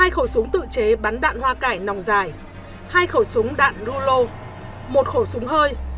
hai khẩu súng tự chế bắn đạn hoa cải nòng dài hai khẩu súng đạn rulo một khẩu súng hơi